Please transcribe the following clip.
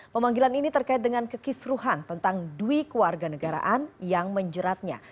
pemanggilan ini terkait dengan kekisruhan tentang dui keluarga negaraan yang menjeratnya